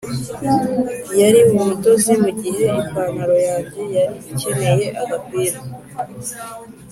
yari umudozi mugihe ipantaro yanjye yari ikeneye agapira.